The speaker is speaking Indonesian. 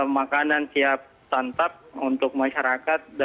makanan siap santap untuk masyarakat